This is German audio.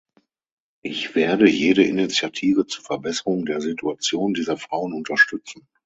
Ich werde jede Initiative zur Verbesserung der Situation dieser Frauen unterstützen.